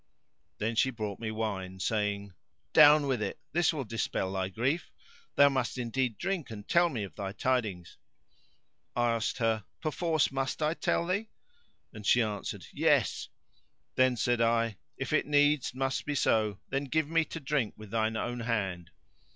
Then she brought me wine, saying, "Down with it, this will dispel thy grief: thou must indeed drink and tell me of thy tidings." I asked her, "Perforce must I tell thee?"; and she answered, "Yes." Then said I, "If it needs must be so, then give me to drink with thine own hand."